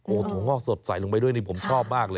ถั่วงอกสดใส่ลงไปด้วยนี่ผมชอบมากเลย